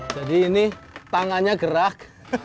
jadi ini tangannya gerak